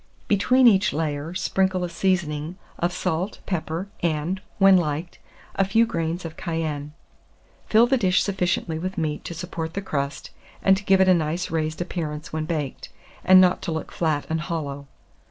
Between each layer sprinkle a seasoning of salt, pepper, and, when liked, a few grains of cayenne. Fill the dish sufficiently with meat to support the crust, and to give it a nice raised appearance when baked, and not to look flat and hollow.